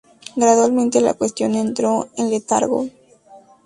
Gradualmente la cuestión entró en letargo.